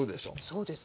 そうですね。